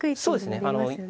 そうですね。